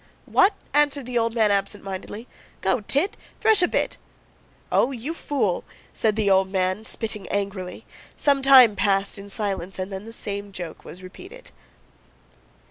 "What?" answered the old man absent mindedly. "Go, Tit! Thresh a bit!" "Oh, you fool!" said the old man, spitting angrily. Some time passed in silence, and then the same joke was repeated.